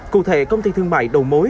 cụ thể công ty thương mại đầu mối